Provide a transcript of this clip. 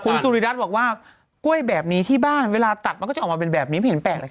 คุณสุริรัตน์บอกว่ากล้วยแบบนี้ที่บ้านเวลาตัดมันก็จะออกมาเป็นแบบนี้ไม่เห็นแปลกเลยค่ะ